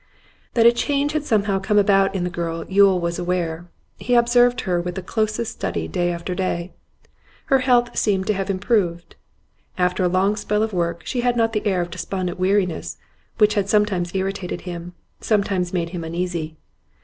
That a change had somehow come about in the girl Yule was aware. He observed her with the closest study day after day. Her health seemed to have improved; after a long spell of work she had not the air of despondent weariness which had sometimes irritated him, sometimes made him uneasy.